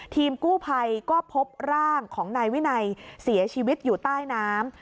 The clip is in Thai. ทีมกู้ภัยก็พบร่างของนายวินัยเสียชีวิตอยู่ใต้น้ำ